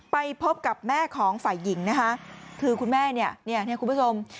ไปพบกับแม่ของฝ่ายหญิงนะคะคือคุณแม่เนี่ยเนี่ยคุณผู้ชม